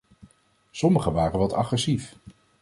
Sommigen waren wat agressief.